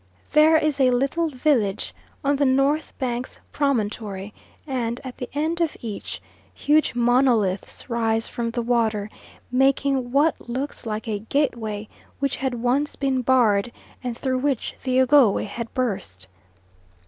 There is a little village on the north bank's promontory, and, at the end of each, huge monoliths rise from the water, making what looks like a gateway which had once been barred and through which the Ogowe had burst.